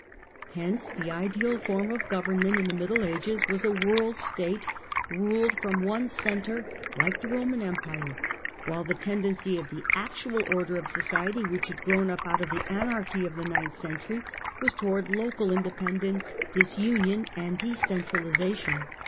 Hence the ideal form of government in the Middle Ages was a World State, ruled from one centre, like the Eoman Empire, while the tendency of the actual order of society which had grown up out of the anarchy of the ninth century was towards local independ ence, disunion and decentralization.